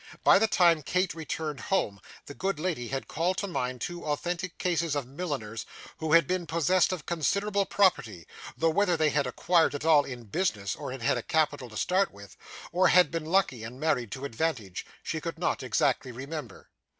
By the time Kate reached home, the good lady had called to mind two authentic cases of milliners who had been possessed of considerable property, though whether they had acquired it all in business, or had had a capital to start with, or had been lucky and married to advantage, she could not exactly remember.